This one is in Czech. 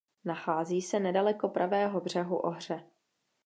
Nachází se nedaleko pravého břehu Ohře.